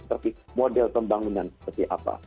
tapi model pembangunan seperti apa